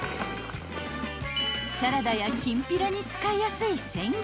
［サラダやきんぴらに使いやすい］